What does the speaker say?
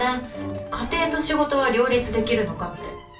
家庭と仕事は両立できるのかって。